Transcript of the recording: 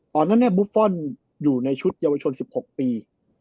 ตอนนั้นบุฟฟอลอยู่ในชุดเยาวชน๑๖ปี